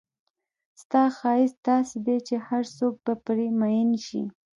ستا ښایست داسې دی چې هرڅوک به پر مئین شي.